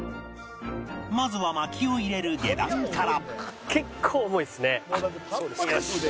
まずは薪を入れる下段から